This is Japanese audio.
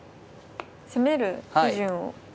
攻める手順を。